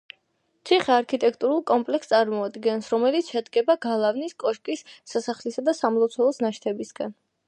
ციხე არქიტექტურულ კომპლექს წარმოადგენს, რომელიც შედგება გალავნის, კოშკის, სასახლისა და სამლოცველოს ნაშთებისაგან.